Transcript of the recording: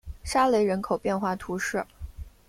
沙雷人口变化图示